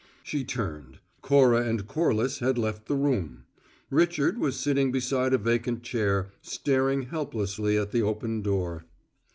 She turned. Cora and Corliss had left the room. Richard was sitting beside a vacant chair, staring helplessly at the open door.